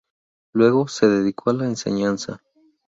Luego, se dedicó a la enseñanza.